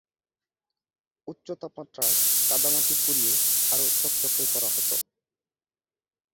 উচ্চ তাপমাত্রায় কাদামাটি পুড়িয়ে আরও চকচকে করা হত।